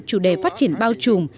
chủ đề phát triển bao trùm